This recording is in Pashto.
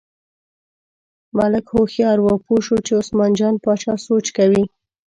ملک هوښیار و، پوه شو چې عثمان جان باچا سوچ کوي.